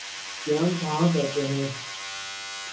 قیام کہاں کرتے ہیں؟